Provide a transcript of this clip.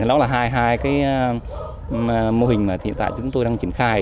đó là hai cái mô hình mà hiện tại chúng tôi đang triển khai